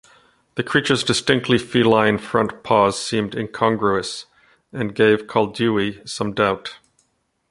The creature's distinctly feline front paws seemed incongruous, and gave Koldewey some doubt.